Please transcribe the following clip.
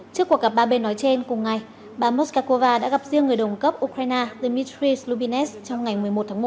trước cuộc gặp ba bên nói trên cùng ngày bà moscow đã gặp riêng người đồng cấp ukraine dmitry slubinets trong ngày một mươi một tháng một